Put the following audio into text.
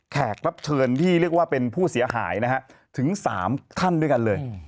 แขกรับเชิญที่เรียกว่าเป็นผู้เสียหายนะฮะถึง๓ท่านด้วยกันเลย